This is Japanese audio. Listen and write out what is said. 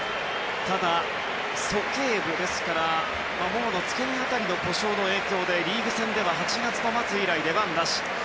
ただ、鼠径部ももの付け根辺りの故障の影響でリーグ戦では８月末以来出番なし。